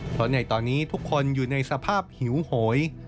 เพราะในตอนนี้ทุกคนอยู่ในสภาพหิวโหย